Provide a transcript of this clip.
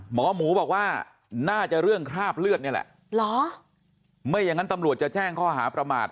หมอหมูบอกว่าน่าจะเรื่องคราบเลือดนี่แหละเหรอไม่อย่างนั้นตำรวจจะแจ้งข้อหาประมาท